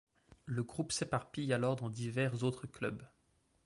Le groupe s'éparpille alors dans divers autres clubs.